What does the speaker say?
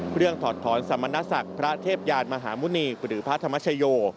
ถอดถอนสมณศักดิ์พระเทพยานมหาหมุณีหรือพระธรรมชโย